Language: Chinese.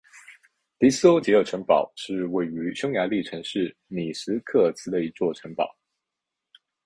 迪欧斯捷尔城堡是位于匈牙利城市米什科尔茨的一座城堡。